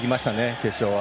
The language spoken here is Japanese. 決勝は。